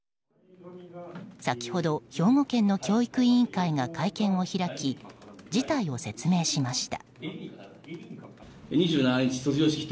先ほど、兵庫県の教育委員会が会見を開き事態を説明しました。